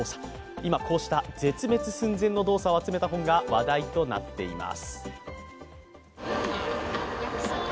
今、こうした絶滅寸前の動作を集めた本が話題となっています。